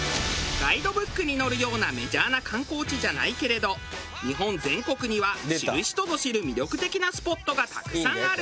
ガイドブックに載るようなメジャーな観光地じゃないけれど日本全国には知る人ぞ知る魅力的なスポットがたくさんある。